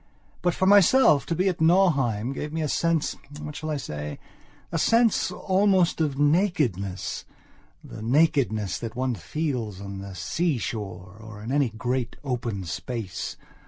But, for myself, to be at Nauheim gave me a sensewhat shall I say?a sense almost of nakednessthe nakedness that one feels on the sea shore or in any great open space.